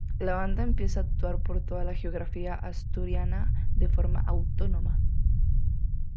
La banda empieza a actuar por toda la geografía asturiana de forma autónoma.